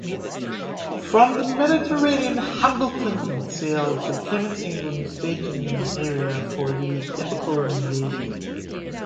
From the Mediterranean "Hambleton" sailed to Plymouth, England, staging area for the epochal invasion.